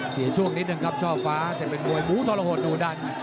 เสียช่วงนี้เดินครับช่อฟ้าแต่เป็นมวยมูตรวโหดหนูดัน